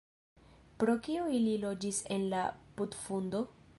"Pro kio ili loĝis en la putfundo?"